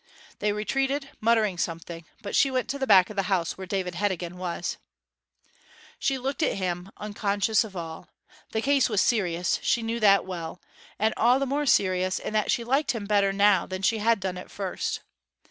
They retreated, muttering something; but she went to the back of the house, where David Heddegan was. She looked at him, unconscious of all. The case was serious; she knew that well; and all the more serious in that she liked him better now than she had done at first.